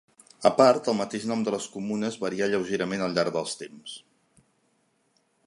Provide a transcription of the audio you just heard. A part, el mateix nom de les comunes varià lleugerament al llarg dels temps.